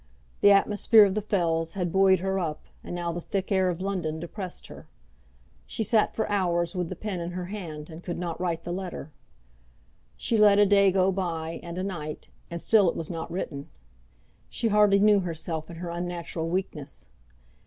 The atmosphere of the fells had buoyed her up, and now the thick air of London depressed her. She sat for hours with the pen in her hand, and could not write the letter. She let a day go by and a night, and still it was not written. She hardly knew herself in her unnatural weakness.